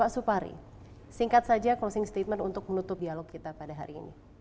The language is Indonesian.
bapak supari singkat saja ucapan penutup untuk menutup dialog kita pada hari ini